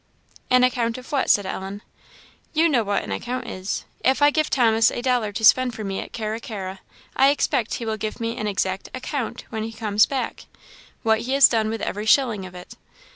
" "An account of what?" said Ellen. "You know what an account is. If I give Thomas a dollar to spend for me at Carra carra, I expect he will give me an exact account, when he comes back, what he has done with every shilling of it.